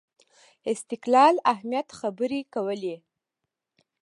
استقلال اهمیت خبرې کولې